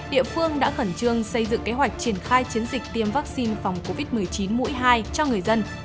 địa phương đã khẩn trương xây dựng kế hoạch triển khai chiến dịch tiêm vaccine phòng covid một mươi chín mũi hai cho người dân